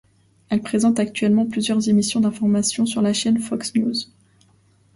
Elle présente actuellement plusieurs émissions d'information sur la chaîne Fox News.